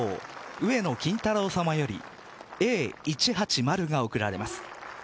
上野金太郎さまよりＡ１８０が贈られます。